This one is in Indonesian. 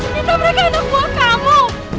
cinta mereka anak buah kamu